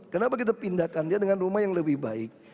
kenapa kita pindahkan dia dengan rumah yang lebih baik